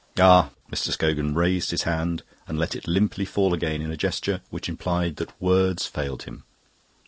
Ah!" Mr. Scogan raised his hand and let it limply fall again in a gesture which implied that words failed him.